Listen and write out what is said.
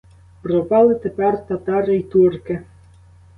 Пропали тепер татари й турки!